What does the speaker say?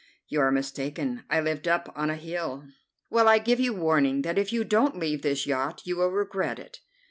"You are mistaken. I lived up on a hill." "Well, I give you warning, that if you don't leave this yacht you will regret it."